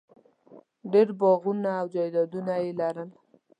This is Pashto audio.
ډېر باغونه او جایدادونه یې لرل.